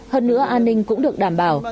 hơn nữa an ninh cũng được đảm bảo